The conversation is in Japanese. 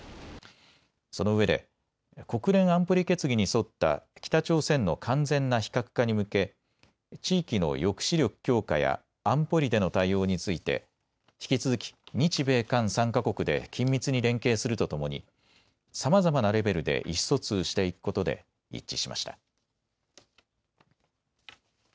そのうえで国連安保理決議に沿った北朝鮮の完全な非核化に向け地域の抑止力強化や安保理での対応について引き続き日米韓３か国で緊密に連携するとともにさまざまなレベルで意思疎通していくことで一致しました。